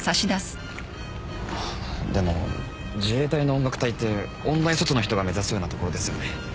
あでも自衛隊の音楽隊って音大卒の人が目指すような所ですよね